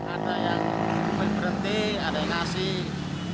ada yang berhenti ada yang ngasih